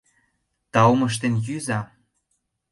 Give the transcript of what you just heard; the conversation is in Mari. Таум ыштен йӱза!